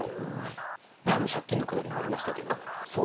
借金のくだりもありましたけど。